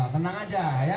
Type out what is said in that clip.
tenang saja ya